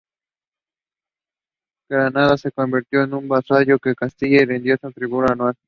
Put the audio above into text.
Granada se convirtió en vasallo de Castilla y rindió un tributo anual.